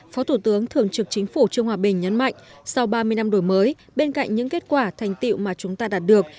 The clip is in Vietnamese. phó thủ tướng thường trực chính phủ trương hòa bình nhấn mạnh sau ba mươi năm đổi mới bên cạnh những kết quả thành tiệu mà chúng ta đạt được